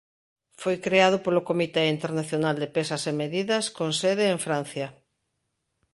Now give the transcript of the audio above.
Foi creado polo Comité Internacional de Pesas e Medidas con sede en Francia.